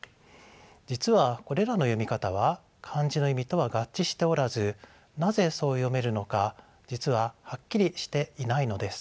実はこれらの読み方は漢字の意味とは合致しておらずなぜそう読めるのか実ははっきりしていないのです。